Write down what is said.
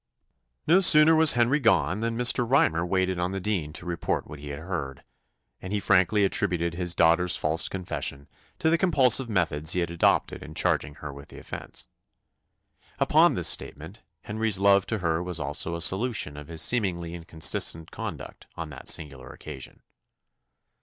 No sooner was Henry gone than Mr. Rymer waited on the dean to report what he had heard; and he frankly attributed his daughter's false confession to the compulsive methods he had adopted in charging her with the offence. Upon this statement, Henry's love to her was also a solution of his seemingly inconsistent conduct on that singular occasion.